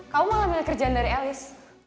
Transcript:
kamu malah milih kerjaan dari elis